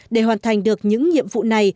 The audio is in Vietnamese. để hoàn thành được những nhiệm vụ này